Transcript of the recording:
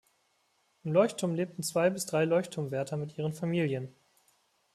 Im Leuchtturm lebten zwei bis drei Leuchtturmwärter mit ihren Familien.